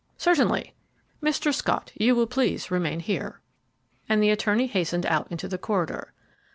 "Certainly. Mr. Scott, you will please remain here," and the attorney hastened out into the corridor.